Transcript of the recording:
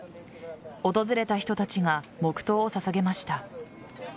訪れた人たちが黙とうを捧げました。